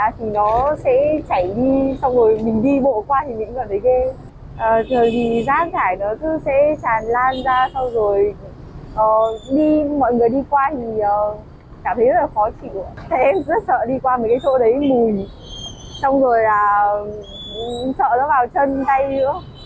thì mọi người đi qua thì cảm thấy rất là khó chịu em rất sợ đi qua mấy cái chỗ đấy mùi xong rồi là sợ nó vào chân tay nữa